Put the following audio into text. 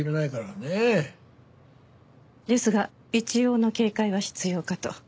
ですが一応の警戒は必要かと。